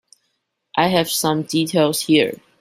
I have some details here.